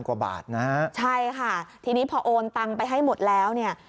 กว่าบาทนะฮะใช่ค่ะทีนี้พอโอนตังไปให้หมดแล้วเนี่ย